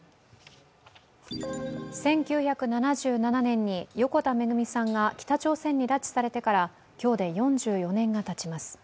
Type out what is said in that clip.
１９７７年に横田めぐみさんが北朝鮮に拉致されてから今日で４４年がたちます。